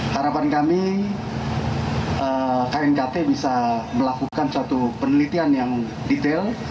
harapan kami knkt bisa melakukan suatu penelitian yang detail